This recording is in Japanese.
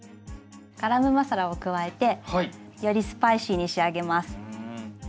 ガラムマサラを加えてよりスパイシーに仕上げます。